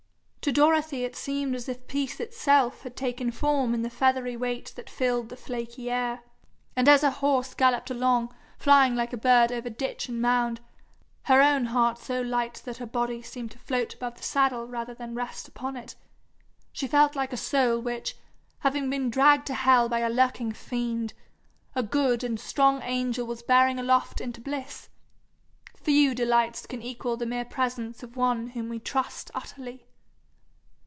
To Dorothy it seemed as if peace itself had taken form in the feathery weight that filled the flaky air; and as her horse galloped along, flying like a bird over ditch and mound, her own heart so light that her body seemed to float above the saddle rather than rest upon it, she felt like a soul which, having been dragged to hell by a lurking fiend, a good and strong angel was bearing aloft into bliss. Few delights can equal the mere presence of one whom we trust utterly.